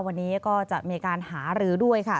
วันนี้ก็จะมีการหารือด้วยค่ะ